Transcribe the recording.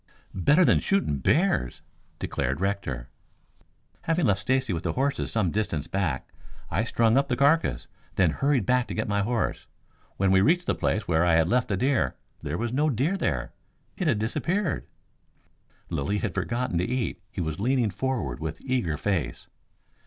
"Better than shooting bears," declared Rector. "Having left Stacy with the horses some distance back I strung up the carcass, then hurried back to get my horse. When we reached the place where I had left the deer, there was no deer there. It had disappeared." Lilly had forgotten to eat. He was leaning forward with eager face.